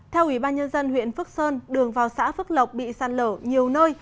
theo ủy ban nhân dân huyện phước sơn đường vào xã phước lộc bị sạt lở nhiều nơi